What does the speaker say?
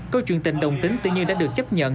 câu chuyện tình đồng tính tự nhiên đã được chấp nhận